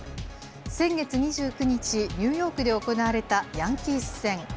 先月２９日、ニューヨークで行われたヤンキース戦。